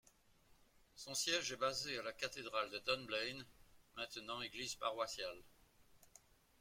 Son siège est basé à la cathédrale de Dunblane, maintenant église paroissiale.